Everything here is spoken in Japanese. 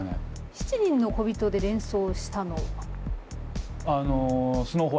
七人のこびとで連想したのは？